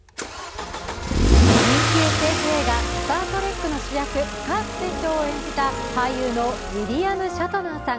人気ＳＦ映画「スター・トレック」でカーク船長を演じた俳優のウィリアム・シャトナーさん